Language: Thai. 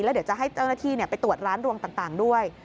เดี๋ยวจะให้เจ้าหน้าที่ไปตรวจร้านรวมต่างด้วย